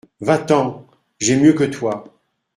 Va-t’en !… j’ai mieux que toi !…